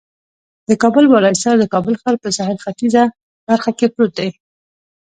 د کابل بالا حصار د کابل ښار په سهیل ختیځه برخه کې پروت دی.